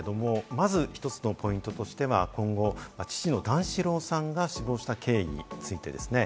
まず１つのポイントとしては、今後、父の段四郎さんが死亡した経緯についてですね。